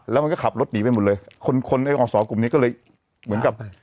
แล้วมันก็ขับรถหนีไปหมดเลยคนคนไอ้อสอกลุ่มนี้ก็เลยเหมือนกับ